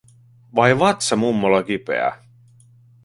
Vai vatsa mummolla kipeä?